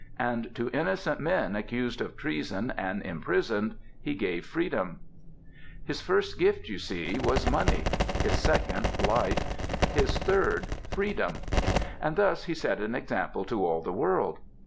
And to innocent men accused of treason and imprisoned he gave freedom. His first gift, you see, was money, his second life, his third freedom. And thus he set an example to all the world.